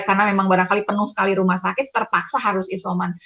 karena memang barangkali penuh sekali rumah sakit terpaksa harus isoman